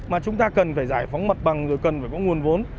mà chúng ta cần phải giải phóng mặt bằng rồi cần phải có nguồn vốn